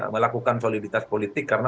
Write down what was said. melakukan soliditas politik karena